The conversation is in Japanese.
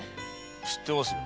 知ってますよ。